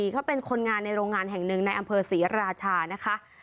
เขาเป็นคนงานในโรงงานแห่งหนึ่งในอำเภอศรีราชานะคะ